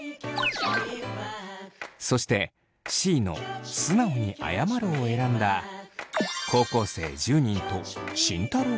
そしてＣの素直に謝るを選んだ高校生１０人と慎太郎は？